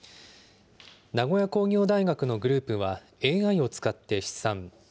名古屋工業大学のグループは、ＡＩを使って試算。